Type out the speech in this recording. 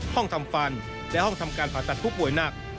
ห้องทำฟันและห้องทำการผ่าตัดผู้ป่วยหนัก